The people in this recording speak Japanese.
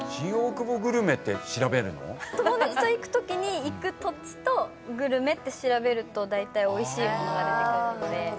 友達と行くときに行く土地とグルメって調べるとだいたいおいしい物が出てくるので。